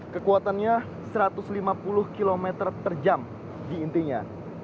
kekuatannya satu ratus lima puluh km terjam di intinya